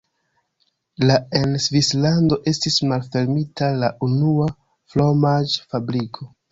La en Svislando estis malfermita la unua fromaĝ-fabriko.